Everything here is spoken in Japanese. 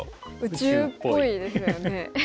宇宙っぽいですよね。